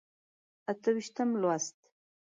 اته ویشتم لوست.